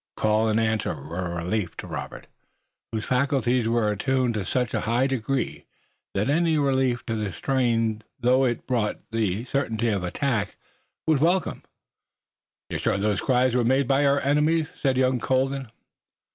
Call and answer were a relief to Robert, whose faculties were attuned to such a high degree that any relief to the strain, though it brought the certainty of attack, was welcome. "You're sure those cries were made by our enemies?" said young Colden.